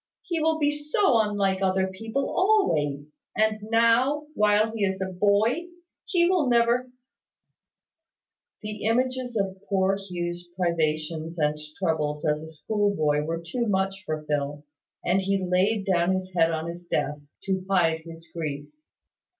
He will be so unlike other people always; and now, while he is a boy, he will never " The images of poor Hugh's privations and troubles as a schoolboy were too much for Phil, and he laid down his head on his desk, to hide his grief.